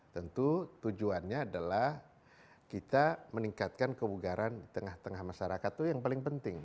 tentu tujuannya adalah kita meningkatkan kebugaran di tengah tengah masyarakat itu yang paling penting